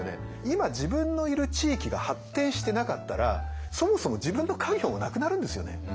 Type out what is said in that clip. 今自分のいる地域が発展してなかったらそもそも自分の家業もなくなるんですよね。